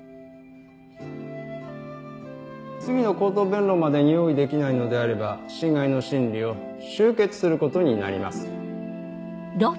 次の口頭弁論までに用意できないのであれば侵害の審理を終結することになります。